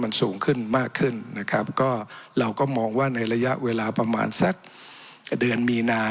มันสูงขึ้นมากขึ้นนะครับก็เราก็มองว่าในระยะเวลาประมาณสักเดือนมีนา